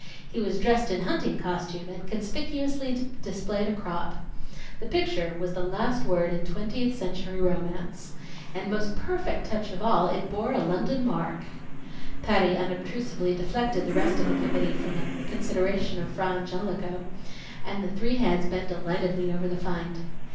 He was dressed in hunting costume and conspicuously displayed a crop. The picture was the last word in Twentieth Century Romance. And, most perfect touch of all, it bore a London mark! Patty unobtrusively deflected the rest of the committee from a consideration of Fra Angelico, and the three heads bent delightedly over the find.